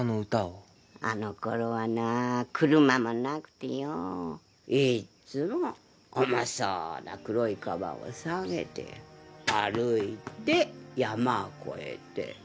あのころはな車もなくてよいつも重そうな黒いかばんを提げて歩いて山を越えて往診してた。